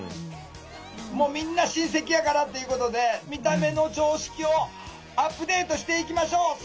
もうみんな親戚やからっていうことで見た目の常識をアップデートしていきましょう！